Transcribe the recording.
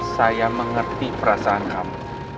saya mengerti perasaan kamu